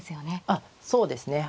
あっそうですね。